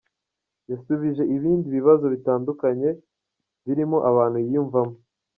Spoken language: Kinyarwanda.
Yasubije ibindi bibazo bitandukanye birimo abantu yiyumvamo.